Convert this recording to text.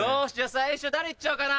最初誰行っちゃおうかな。